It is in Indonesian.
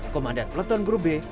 komandan pleton grube